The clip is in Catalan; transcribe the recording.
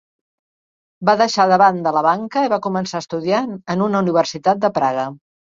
Va deixar de banda la banca i va començar a estudiar en una universitat de Praga.